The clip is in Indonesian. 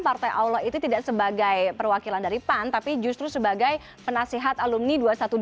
partai allah itu tidak sebagai perwakilan dari pan tapi justru sebagai penasihat alumni dua ratus dua belas